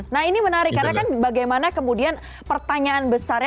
nah ini menarik karena kan bagaimana kemudian pertanyaan besarnya